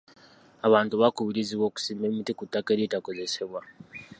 Abantu bakubirizibwa okusimba emiti ku ttaka eritakozesebwa.